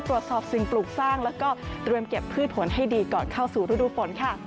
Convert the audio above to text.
ตรวจสอบสิ่งปลูกสร้างแล้วก็เตรียมเก็บพืชผลให้ดีก่อนเข้าสู่ฤดูฝนค่ะ